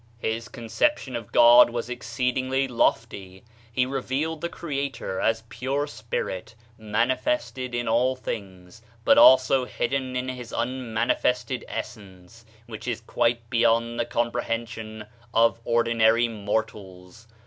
His conception of God was exceedingly lofty. He revealed the Creator as pure spirit, manifested in all things, but also hidden in his unmanifested essence, which is quite beyond the comprehension of ordinary mortals.